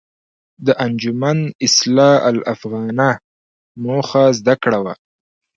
د انجمن اصلاح الافاغنه موخه زده کړه وه.